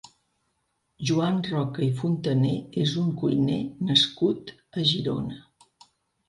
Joan Roca i Fontané és un cuiner nascut a Girona.